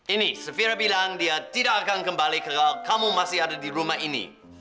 ini fira bilang dia tidak akan kembali ke kamu masih ada di rumah ini